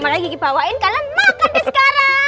makanya gigi bawain kalian makan deh sekarang